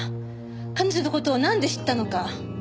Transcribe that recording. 彼女の事をなんで知ったのか。